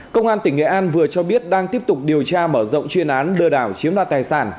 công an tỉnh nghệ an vừa cho biết đang tiếp tục điều tra mở rộng chuyên án lừa đảo chiếm đoạt tài sản